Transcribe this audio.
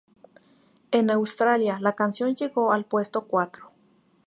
En Australia, la canción llegó al puesto cuatro.